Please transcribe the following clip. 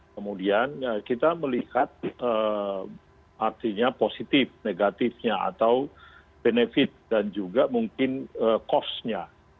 kemudian kita melihat artinya positif negatifnya atau benefit dan juga mungkin cost nya